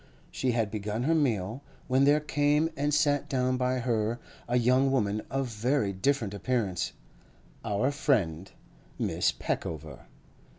She had begun her meal, when there came and sat down by her a young woman of very different appearance—our friend, Miss Peckover.